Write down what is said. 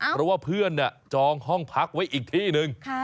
เพราะว่าเพื่อนจองห้องพักไว้อีกที่หนึ่ง